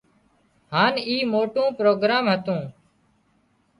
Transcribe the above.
هانَ اِي موٽو پروگرام هتو